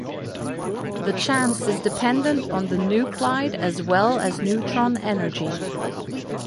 The chance is dependent on the nuclide as well as neutron energy.